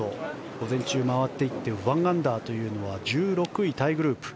午前中に回っていって１アンダーは１６位タイグループ。